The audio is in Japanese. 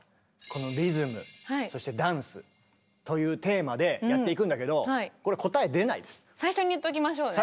この「リズム」そして「ダンス」というテーマでやっていくんだけど最初に言っときましょうね。